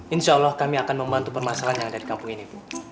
insyaallah kami akan membantu permasalahan yang dari kampung ini